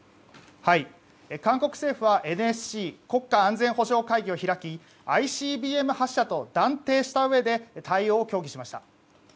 韓国政府はＮＳＣ・国家安全保障会議を開きＩＣＢＭ発射と断定したうえで対応を協議しました。